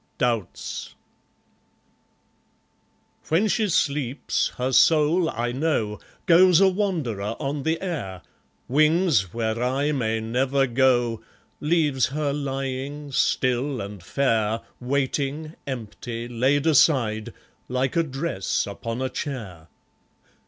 Doubts When she sleeps, her soul, I know, Goes a wanderer on the air, Wings where I may never go, Leaves her lying, still and fair, Waiting, empty, laid aside, Like a dress upon a chair.